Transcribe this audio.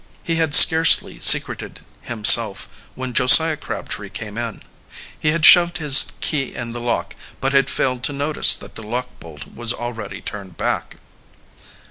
He had scarcely secreted himself when Josiah Crabtree came in. He had shoved his key in the lock, but had failed to notice that the lock bolt was already turned back.